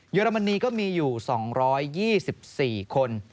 อรมนีก็มีอยู่๒๒๔คน